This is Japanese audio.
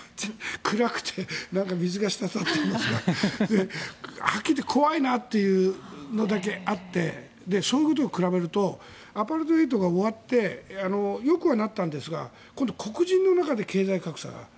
暗くて水が滴っていましたが怖いなというのだけあってそのことに比べるとアパルトヘイトが終わってよくはなったんですが今度、黒人の中で経済格差が。